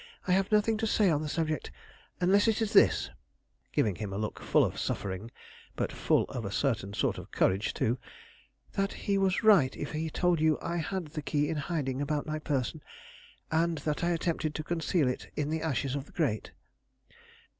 I have nothing to say on the subject, unless it is this:" giving him a look full of suffering, but full of a certain sort of courage, too "that he was right if he told you I had the key in hiding about my person, and that I attempted to conceal it in the ashes of the grate."